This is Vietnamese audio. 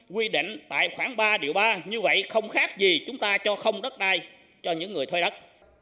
quy định tại khoảng ba điều ba như vậy không khác gì chúng ta cho không đất đai cho những người thuê đất